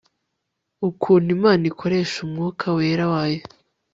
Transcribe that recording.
ukuntu Imana ikoresha umwuka wera wayo